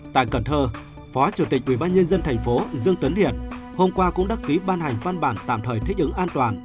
tại cần thơ phó chủ tịch ubnd tp dương tấn hiệt hôm qua cũng đắc ký ban hành văn bản tạm thời thích ứng an toàn